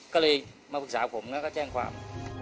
ก็เลยมาปรึกษาผมแล้วก็แจ้งความ